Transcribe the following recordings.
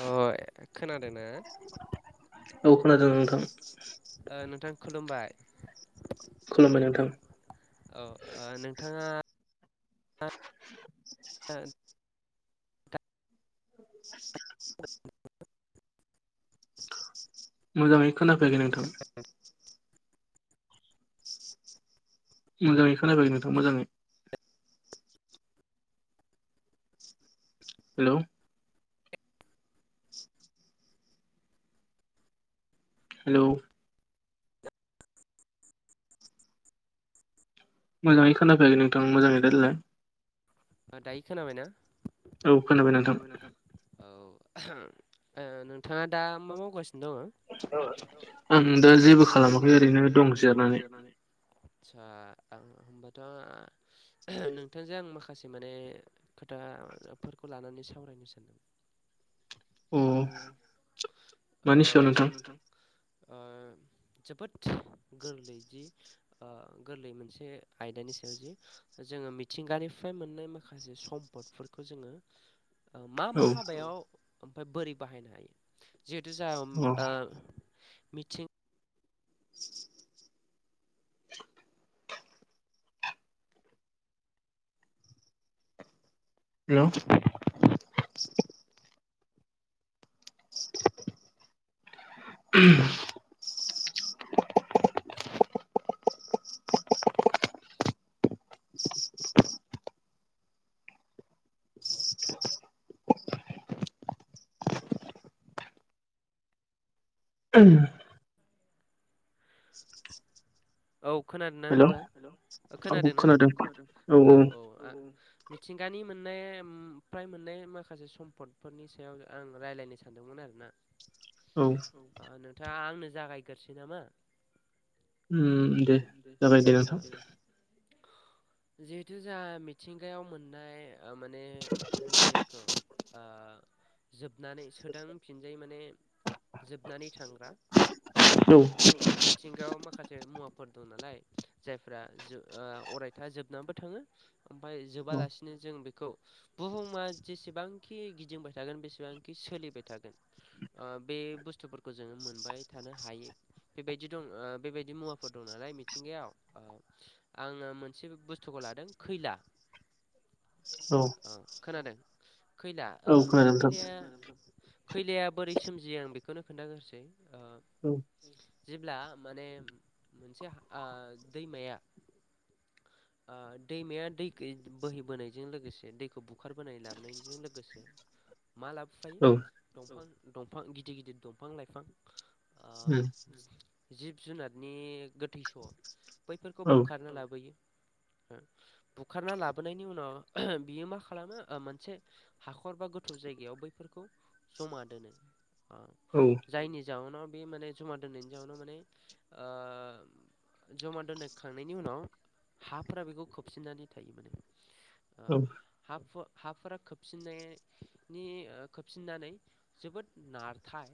ओ खोनादों ना? ओ नोंथां खुलुमबाय खुलुमबाय नोंथां। औ ओ नोंथाङा [inaudible] [inaudible] मोजाङै खोनाबाय नोंथां मोजाङै हेल' हेल' मोजाङै खोनाफेराखै नोंथां मोजाङै रायज्लाय दायो खोनाबाय ना? औ खोनाबाय नोंथां। औ ओ नोंथाङा दा मा मावगासिनो दङ? आं दा जेबो खालामाखै ओरैनो दं जेरायनानै आस्सा आं नोथां नोंथांजों आं माखा माखासे माने खोथाफोरखौ लानानै सावरायनो सानदों अ आ मानि सायाव नोंथां आ जोबोट गोरलै जि ओ गोरलै मोनसे आयदानि सायाव जि जोङो मिथिंगानि फ्राय मोननाय माखासे सम्पदफोरखौ जोङो मा मा हाबायाव ओमफाय बोरै बाहायनो हायो जिहेथु जाम ओ मिं हेल' [unintelligible] [inaudible] [unintelligible] औ खोनादों ना नोंथां खोनादों ना औ औ आ मिथिंगानि मोननाय फ्राय मोननाय माखासे सम्फदफोरनि सायाव आं रायज्लायनो सानदोंमोन आरोना [inaudible] होनबा नोंथाङा आंनो जागायग्रोसै नामा? दे जागायदे नोंथां जिहेथु जा मिथिंगायाव मोननाय माने जेखौ ओ जोबनानै सोदांफिनजाय माने जोबनानै थांग्रा [unintelligible] सिथिंगायाव माखासे मुवा फोर दं नालाय जायफ्रा जो ओ अरायथा जोबनानैबो थाङो ओमफाय जोबालासिनो नो जों बेखौ बुहुमा जेसेबांखि गिदिंबाय थागोन बेसेबांखि सोलिबाय थागोन। ओ बे बुस्थुफोरखौ जोङो मोनबाय थानो हायो बेबायदि दं ओ बेबायदि मुवा फोर दं नालाय मिथिंगायाव ओ आङो मोनसे बुस्थुखौ लादों खैला औ खोनादों खैला खैलाया खैलाया बोरै सोमजियो आं बेखौनो खोन्थागोरसै ओ जेब्ला माने मोनसे दैमाया ओ दैमाया दैखौ बोहैबोनायजों लोगोसे दैखौ बु बुखारबोनाय लाबोनायजों लोगोसे मा लाबोफायो दफां दंफां गिदिर गिदिर दंफां लाइफां ओ जिब जुनारनि नि गोथै स' बैफोरखौ बुखारनो लाबोयो बुखारना लाबोनायनि उनाव बियो मा खालामो ओ मोनसे हाखर बा गोथौ जायगायाव बैफोरखौ जमा दोनो ओ औ जायनि जाउनाव बे माने जमा दोननायनि जाउनाव माने ओ जमा दोननायखांनायनि उनाव हाफोरा बेखौ खोबसिननानै थायो माने ओ हाफ हाफोरा खोबसिननायनि खोबसिननानै। जोबोद नारथाय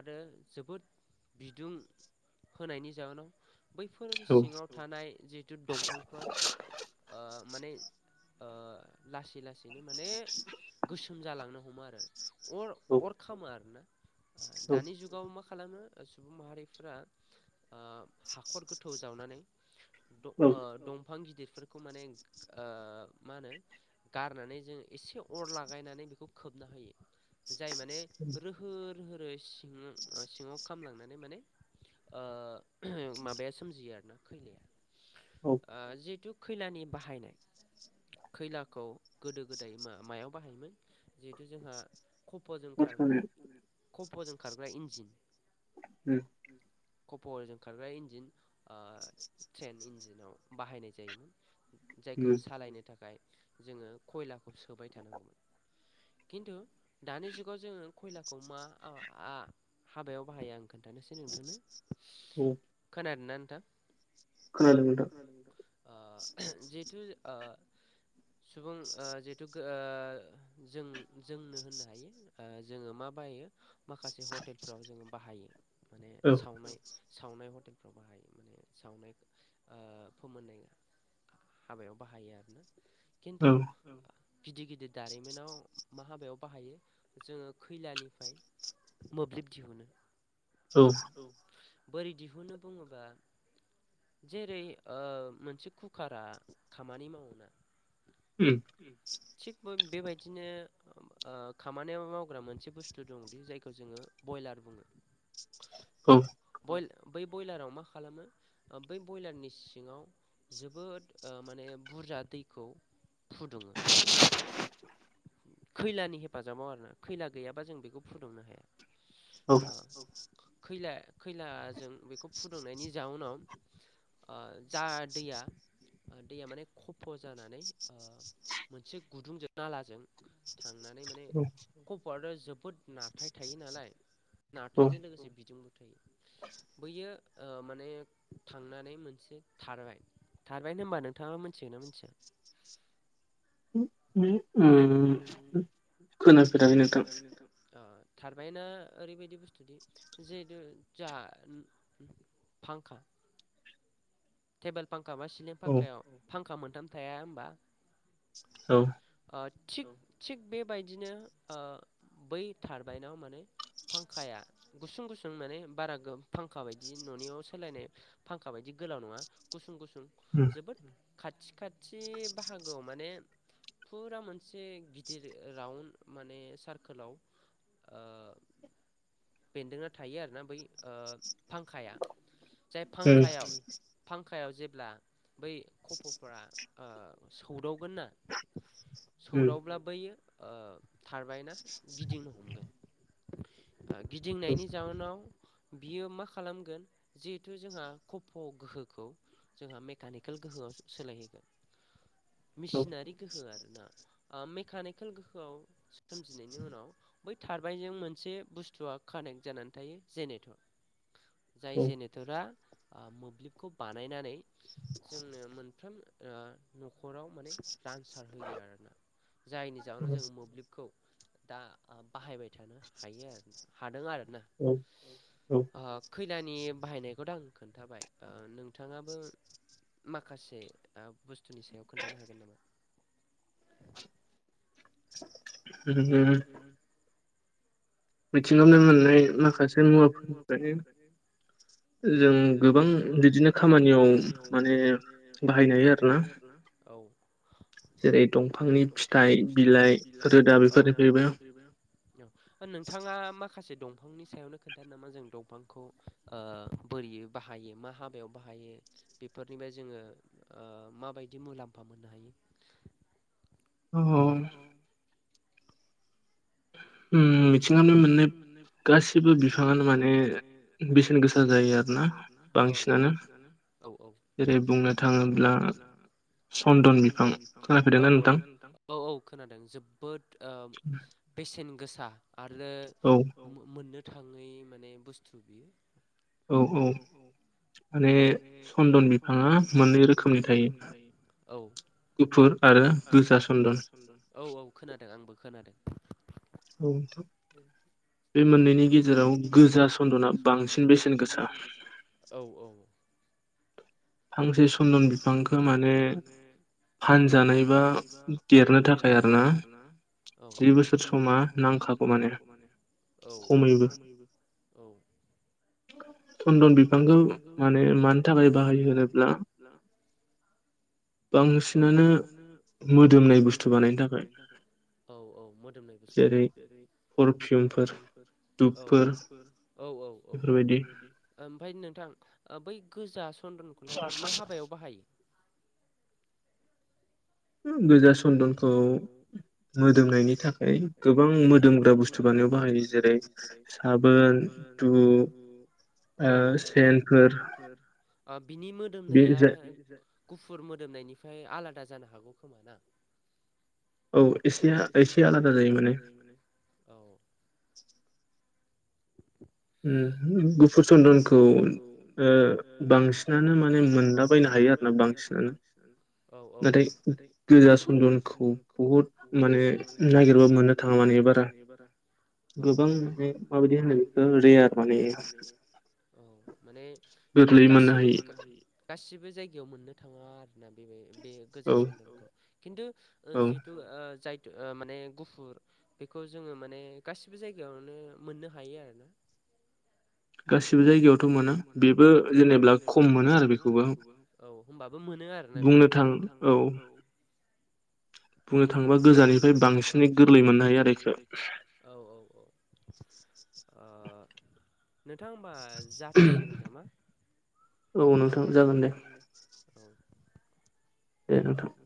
आरो जोबोद बिदुं। होनायनि जाहोनाव बैफोर सिङाव। थानाय जिहथु दंफांफोरा ओ-माने। ओ लासै लासैनो माने गोसोम जालांनो हमो आरो। अर अर खामो आरोना दानि जुगाव मा खालामो सुबुं माहारिफ्रा। ओ-हाखर गोथौ जावनानै द ओ-दंफां गिदिरफोर। खौ माने ओ मा होनो। गारनानै जों एसे अर लागायनानै बेखौ खोबना होयो। जाय माने रोहो रोहो रो सिङ सिङाव खामलांनानै माने। ओ-माबाया सोमजियो आरोना खैलाया। औ जिहेथु खैलानि बाहायनाय। खैलाखौ गोदो गोदाय मायाव बाहायोमोन जिहेथु जोंहा। कफजों खारग्रा कफजों खारग्रा इन्जिन। उम कपजों खारग्रा इन्जिन ट्रेन इन्जिनाव बाहायनाय जायोमोन। जायखौ सालायनो थाखाय जोङो खयलाखौ सोबाय थानांगौमोन। खिन्थु दानि जुगाव जोङो खयलाखौ मा आ आ हाबायाव बाहायो आं खोन्थानोसै नोंथांनो। खोनादों ना नोंथां। खोनदों नोंथां। खोनादों नोंथां ओ-जिहेथु ओ सुबुं ओ-जिहेतु ओ जों जोंनो होननो हायो ओ-जोङो मा बायो। माखासे हटेलफोराव जोङो बाहायो माने सावनाय। सावनाय हटेलफ्राव बाहाय माने सावनाय ओ-फोमोननाय। हाबायाव बाहायो आरोना खिन्थु गिदिर गिदिर दारिमिनाव मा हाबायाव बाहायो जोङो खैलानिफ्राय। मोब्लिब दिहुनो। औ औ बोरै दिहुनो बुङोबा। जेरै ओ- मोनसे कुकारा खामानि माव ना। उ थिग बेबायदिनो। ओ-खामानियाव मावग्रा मोनसे बुस्थु दंदि जायखौ जोङो बयलार बुङो। औ बल बै ब्रयलाराव मा खालामो बै ब्रयलारनि सिङाव। जोबोद ओ-माने बुरजा दैखौ फुदुङो। खैलानि हेफाजाबाव आरो ना खैला गैयाबा जों बेखौ फुदुंनो हाया। आ खैला खैलाजों बेखौ फुदुंनायनि जाउनाव। ओ-जा दैया दैया माने खफ जानानै ओ मोनसे गुदुंजों नालाजों। थांनानै माने खफआथ जोबोद नारथाय थायो नालाय। नाथायजों लोगोसे बिदिुंबो थायो बैयो। ओ-माने थांनानै मोनसे थारबाय थारबायनो होनोमबा नोंथाङा मिथिगोन ना मिथिया? [inaudible] [unintelligible] थारबाय नना ओरैबायदि बुस्थुदि जिहेतु जा फांखा। टेबोल फांखा बा सिलिं फांखायाव फांखा मोनथाम थाया होमबा औ। थिग थिग बेबायदिनो बै थारबायनाव माने फांखाया गुसुं गुसुं माने बारा गो फांखा बायदि न'नियाव सोलायनाय फांखा बायदि गोलाव नङा गुसुं गुसुं जोबोद खाथि खाथि बाहागोआव माने फुरा मोनसे गिदिर रान्ड माने सारकोलाव ओ बेन्दोंआ थायो आरोना बै फांखाया जाय फांखायाव फांखायाव जेब्ला बै खफ'फ सौदावगोन ना सौदावब्ला बैयो ओ थारबायना गिदिंनो हमगोन। गिदिंनायनि जाउोनाव बियो मा खालामगोन जिहेथु जोंहा खफ' गोहो खौ जोंहा मेकानिकेल गोहोआव सोलायहैगोन मिसिनारि गोहो आरो ना ओ मेकानिकेल गोहोआव सोमजिनायनि उनाव बै थारबायनजों मोनसे बुस्थुआ कानेक्ट जानानै थायो जेनेटर जाय जेनेटर बिथ'रा ओ मोब्लिबखौ बानायनानै जोंनो मोनफ्रोम ओ न'खराव माने रान्सार होयो आरोना जायनि जाहोनाव जों मोब्लिबखौ दा बाहायबाय थानो हायो आरो हादों आरो ना। औ। ओ खैलानि बाहायनायखौथ'आं खोन्थाबाय ओ नों नोंथाङाबो माखासे बुस्थुनि सायाव खोन्थानो हागोन नामा? ह [unintelligible] मिथिङावनो मोननाय माखासे मुवाफोरनिफ्राय गोबां बिदिनो खामानियाव माने बाहाय बाहायनो हायो आरो ना। औ। जेरै दंफांनि फिथाइ बिलाइ रोदा बेफोरनिफ्रायबो। औ। नोंथाङा माखासे दंफांनि सायावनो खोन्थानो नामा जों दंफांखौ ओ बोरै बाहायो मा हाबायाव बाहायो। बेफोरनिफ्राय जोङो ओ माबायदि मुलाम्फा मोननो हायो। अ [unintelligible] ओ मिथिङावनो मोननाय गासिबो बिफाङानो माने बेसेन गोसा जायो आरो ना। औ औ। बांसिनानो। औ औ। जेरै बुंनो थाङोब्ला सन्दन बिफां औ औ [unintelligible] औ औ खोनादों जोबोद ओ बेसेन गोसा। आरो मोननो थाङै माने बुस्थु बियो। औ औ। माने सन्दन बिफाङा मोननै रोखोमनि थायो। औ। गुफुर आरो गोजा चन्दन। औ औ खोनादों आंबो खोनादों। औ नोंथां। बे मोननैनि गेजेराव गोजा सन्दना बांसिन बेसेन गोसा। औ औ। फांसे सन्दन बिफांखौ माने फानजानाय बा देरनो थाखाय आरो ना जि बोसोर जि बोसोर समा नांखागौ माने औ खमैबो औ। सन्दन बिफांखौ माने मानि थाखाय बाहायो ज आरोब्ला बांसिनानो मोदोमनाय बुस्थु बानायनो थाखाय औ औ मोदोमनाय बुस्थु जेरै पारफिउमफोर औ औ फोर औ औ औ बेफोरबायदि ओमफ्राय नोंथां बै गोजा सन्दनखौलाय मा हाबायाव बाहायो गोजा सन्दनखौ मोदोमनायनि थाखाय गोबां मोदोमग्रा बुस्थु बानायाव बाहायो जेरै दै साबोन घुब औ औ स बिनि मोदोमनाया गुफुर मोदोमनायनिफ्राय आलादा जानो हागौ खोमा ना औ एसेया एसे आलादा जायो माने औ गुफुर चन्दनखौ बांसिनानो माने मोनलाबायनो हायो आरो बांसिनानो औ औ नाथाय गोजा सनन्दनखौ बहुद माने नागिरबा मोननो थाङा मान एबारा गोबां माने माबायदि होनायो मान औ माने गाससिबो मोननो हायो गासिबो जायगायाव मोननो थाङा आरोना बे बे औ खिन्थु जिहथु जाय माने गुफुर बेखौ जोङो माने गासिबो जायगायावनो मोननो हायो आरो ना गासिबो जायगायावथ' मोना बेबो जेनेा खम मोनो आरो बेखौबो औ होनोमबाबो मोनो आरोना बेखौ [unintelligible] बुंनो थाङोबा गोजाननिफ्राय बांसिनै गोरलै मोननो हायो आरो बेखौ औ औ औ नोंथां होमबा जाथ'सिगोन नामा औ नोंथां जागोन दे [inaudible] दे नोंथां